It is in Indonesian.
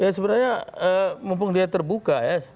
ya sebenarnya mumpung dia terbuka ya